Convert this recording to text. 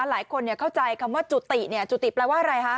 หลายคนเข้าใจคำว่าจุติเนี่ยจุติแปลว่าอะไรฮะ